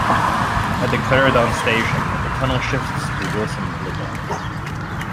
At the Clarendon station, the tunnel shifts to Wilson Blvd.